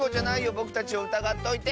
ぼくたちをうたがっといて！